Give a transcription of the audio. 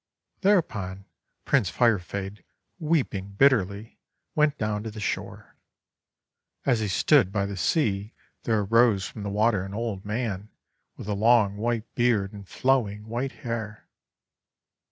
Thereupon Prince Firefade, weeping bitterly, went down to the shore. As he stood by the sea, there arose from the water an old man with a long white beard and flowing white hair.